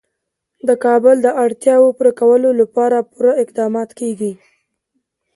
د کابل د اړتیاوو پوره کولو لپاره پوره اقدامات کېږي.